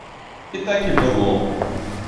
І так і было.